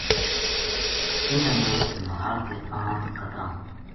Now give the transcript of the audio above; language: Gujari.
اِنھاں نا نُہال کے آن کترَاں